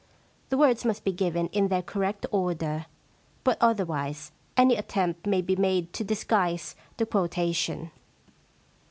The words must be given in their correct order, but otherwise any attempt may be made to disguise the quotation.